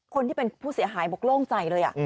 คนที่เป็นผู้เสียหายบอกโล่งใจเลย